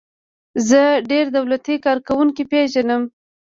زه ډیر دولتی کارکوونکي پیژنم.